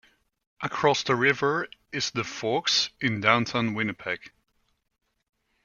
Across the river is The Forks in Downtown Winnipeg.